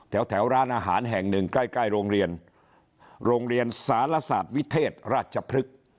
แถวร้านอาหารแห่งหนึ่งใกล้ใกล้โรงเรียนโรงเรียนสารศาสตร์วิเทศราชพฤกษ์